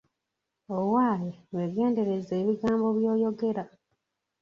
Owaaye weegendereze ebigambo by'oyogera.